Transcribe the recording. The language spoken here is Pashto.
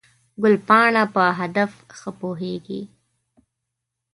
ګلپاڼه په هدف ښه پوهېږي.